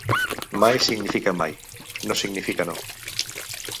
Mai significa mai, no significa no.